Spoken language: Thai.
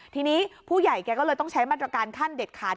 ทีนี้ผู้ใหญ่แกก็เลยต้องใช้มาตรการขั้นเด็ดขาด